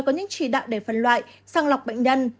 có những chỉ đạo để phân loại sang lọc bệnh nhân